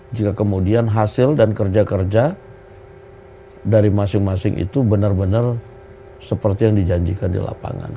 jika kemudian hasil dan kerja kerja dari masing masing itu benar benar seperti yang dijanjikan di lapangan